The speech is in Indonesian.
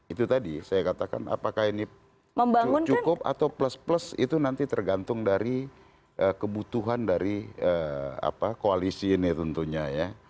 itu tadi saya katakan apakah ini cukup atau plus plus itu nanti tergantung dari kebutuhan dari koalisi ini tentunya ya